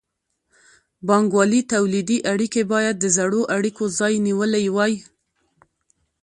بانګوالي تولیدي اړیکې باید د زړو اړیکو ځای نیولی وای.